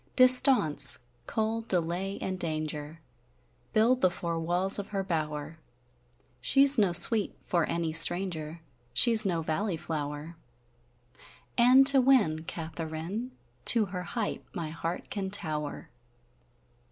Distaunce, cold, delay, and danger, Build the four walles of her bower; She 's noe Sweete for any stranger, She 's noe valley flower: And to winne Katheryn, To her height my heart can Tower!